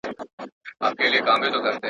څوك به تاو كړي د بابا بګړۍ له سره.